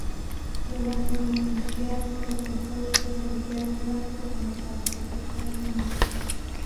Luego de renunciar se compró un Cadillac blanco como para "reforzar mi ego".